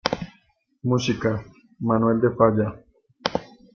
Música: Manuel de Falla.